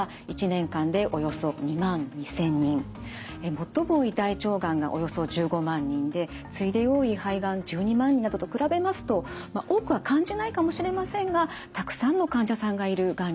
最も多い大腸がんがおよそ１５万人で次いで多い肺がん１２万人などと比べますと多くは感じないかもしれませんがたくさんの患者さんがいるがんになります。